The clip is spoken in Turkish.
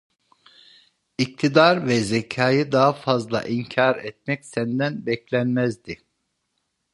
İktidar ve zekayı daha fazla inkar etmek senden beklenmezdi.